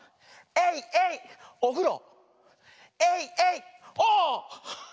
エイエイおふろ。